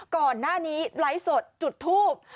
ก่อนหน้านี้ไลฟ์สดจุดทูบ